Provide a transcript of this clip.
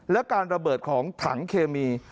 และการระเบิดของถังเคมี